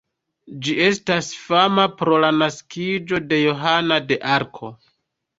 Ĝi estas fama pro la naskiĝo de Johana de Arko.